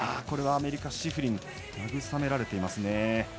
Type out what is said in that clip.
これはアメリカ、シフリン慰められています。